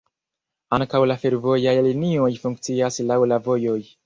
Ankaŭ la fervojaj linioj funkcias laŭ la vojoj.